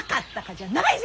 じゃないぞね！